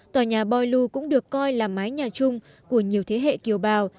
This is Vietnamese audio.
tòa nhà boilu cũng được coi là mái nhà chung của nhiều thế hệ kiều bào